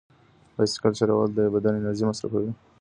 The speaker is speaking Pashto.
بایسکل چلول د بدن انرژي مصرفوي.